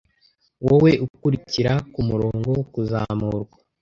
Wowe ukurikira kumurongo wo kuzamurwa.